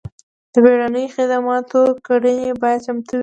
د بیړنیو خدماتو کړنې باید چمتو وي.